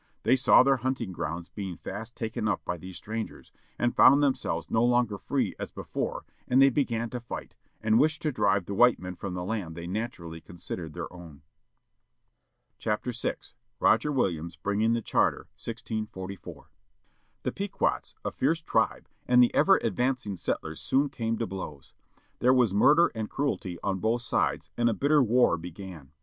They saw their him ting groimds being fast taken up by these strangers, and found themselves no longer free as before and they began to fight, and wished to drive the white men from the land they naturally considered their JiJ| own. THE EMIGRATION 10 CONNECTICUT ROGER WILLIAMS BRINGING THE CHARTER. 1644 HE Pequots, a fierce tribe, and the ever advancing settlers soon came to blows. There was murder and cruelty on both sides, and a bitter war began.